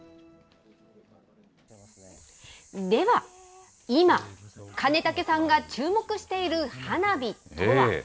では、今、金武さんが注目している花火とは。